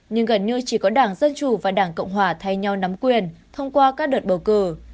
nhưng gần như chỉ có đảng dân chủ và đảng cộng hòa thay nhau nắm quyền thông qua các đợt bầu cử